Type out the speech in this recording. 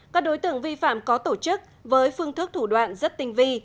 các đối tượng vi phạm có tổ chức với phương thức thủ đoạn rất tinh vi